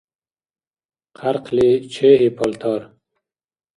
Хъярхъли чегьи палтар!